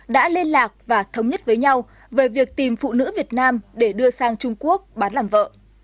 đã liên lạc và thống nhất với nhau về việc tìm phụ nữ việt nam để đưa sang trung quốc bán làm vợ